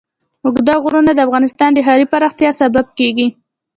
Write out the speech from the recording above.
اوږده غرونه د افغانستان د ښاري پراختیا سبب کېږي.